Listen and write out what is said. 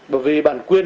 bởi vì bản quyền